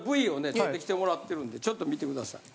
撮ってきてもらってるんでちょっと見てください。